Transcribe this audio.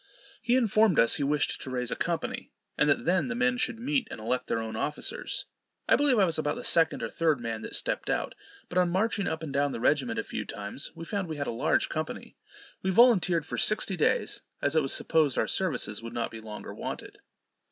He informed us he wished to raise a company, and that then the men should meet and elect their own officers. I believe I was about the second or third man that step'd out; but on marching up and down the regiment a few times, we found we had a large company. We volunteered for sixty days, as it was supposed our services would not be longer wanted.